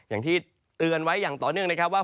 อย่างที่เตือนไว้อย่างต่อเนื่องนะครับว่า